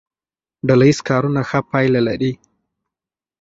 ډله ییز کارونه ښه پایله لري.